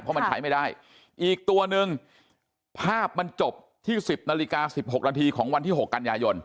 เพราะมันใช้ไม่ได้อีกตัวหนึ่งภาพมันจบที่๑๐นาฬิกา๑๖นาทีของวันที่๖กันยายน